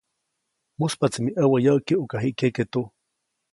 Mujspaʼtsi mi ʼäwä yäʼki ʼuka jiʼ kyeke tu.